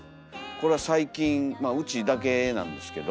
これは最近まあうちだけなんですけど。